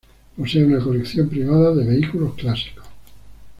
Posee una colección privada de vehículos clásicos.